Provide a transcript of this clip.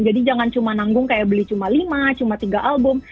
jadi jangan cuma nanggung kayak beli cuma lima cuma tiga album